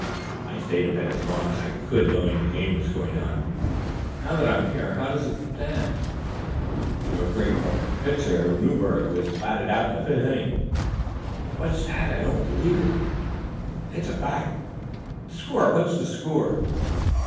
I stayed in bed as long as I could, knowing this game was going on. Now that I'm here, how does it stand?" "Your great pup pitcher, Newbert, was batted out in the fifth inning." "What's that? I don't believe it!" "It's a fact." "The score what's the score?"